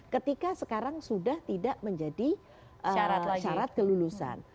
ketika sekarang sudah tidak menjadi syarat kelulusan